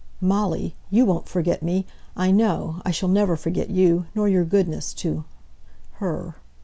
"Molly! you won't forget me, I know; I shall never forget you, nor your goodness to her."